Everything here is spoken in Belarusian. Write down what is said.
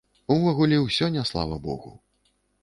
Увогуле, усё не слава богу.